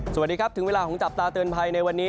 สวัสดีครับถึงเวลาของจับตาเตือนภัยในวันนี้